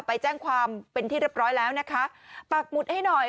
ไปแจ้งความเป็นที่เรียบร้อยแล้วนะคะปากหมุดให้หน่อย